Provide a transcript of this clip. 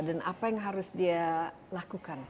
dan apa yang harus dia lakukan